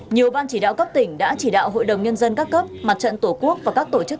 nhiều ban chỉ đạo cấp tỉnh đã chỉ đạo hội đồng nhân dân các cấp mặt trận tổ quốc và các tổ chức